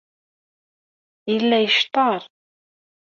Yella yecṭeṛ.